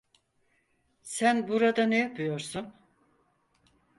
Sen burada ne yapıyorsun?